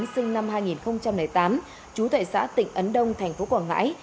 nguyễn thái an sinh năm hai nghìn tám chú tại xã tỉnh ấn đông thành phố quảng ngãi